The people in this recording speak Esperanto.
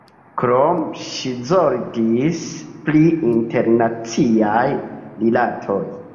Krome ŝi zorgis pri internaciaj rilatoj.